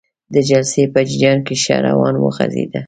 د جلسې په جریان کې ښه روان وغږیده.